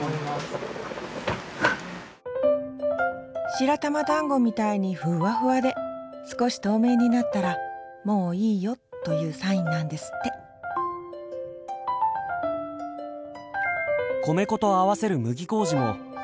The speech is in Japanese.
白玉だんごみたいにふわふわで少し透明になったら「もういいよ」というサインなんですって米粉と合わせる麦麹も手作りしています。